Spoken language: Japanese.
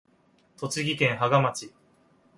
栃木県芳賀町